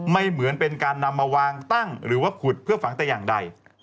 เหมือนเป็นการนำมาวางตั้งหรือว่าขุดเพื่อฝังแต่อย่างใด